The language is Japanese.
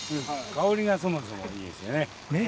香りがそもそもいいですね。